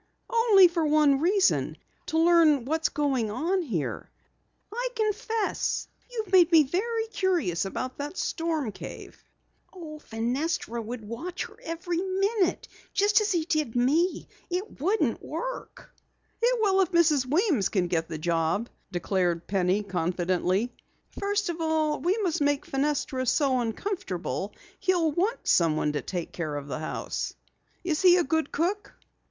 "Only for one reason. To learn what's going on here. I confess you've made me very curious about the storm cave." "Fenestra would watch her every minute, the same as he did me. It won't work." "It will if Mrs. Weems can get the job," declared Penny confidently. "First of all, we must make Fenestra so uncomfortable he'll want someone to take care of the house. Is he a good cook?"